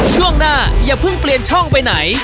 ช่วงหน้าอย่าเพิ่งเปลี่ยนช่องไปไหน